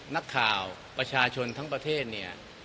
นักข่าวประชาชนทั้งประเทศเนี่ย